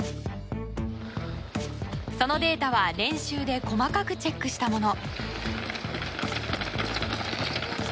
そのデータは練習で細かくチェックしたもの。